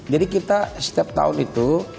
jadi kita setiap tahun itu